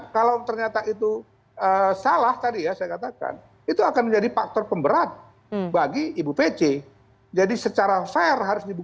dan itu menjadi tanggung jawab